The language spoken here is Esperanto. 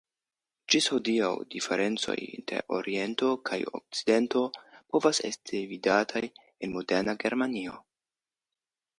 Ĝis hodiaŭ diferencoj inter Oriento kaj Okcidento povas esti viditaj en moderna Germanio.